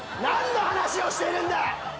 何の話をしているんだ！